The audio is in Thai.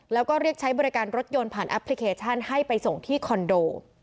แล้วก็เรียกใช้บริการรถยนต์ผ่านแอปพลิเคชันให้ไปส่งที่คอนโด